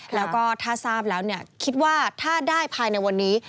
แล้วก็ถ้าทราบแล้วคิดว่าถ้าได้ภายในวันนี้